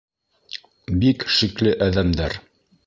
Бик шикле әҙәмдәр.